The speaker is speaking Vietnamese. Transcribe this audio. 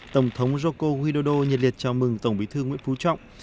tổng thống joko widodo nhiệt liệt chào mừng tổng bí thư nguyễn phú trọng